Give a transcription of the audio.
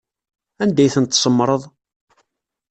Anda ay tent-tsemmṛeḍ?